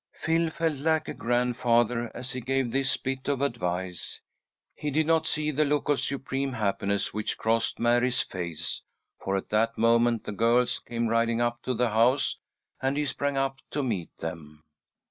Phil felt like a grandfather as he gave this bit of advice. He did not see the look of supreme happiness which crossed Mary's face, for at that moment the girls came riding up to the house, and he sprang up to meet them.